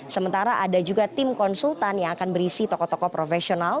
sementara ada juga tim konsultan yang akan berisi tokoh tokoh profesional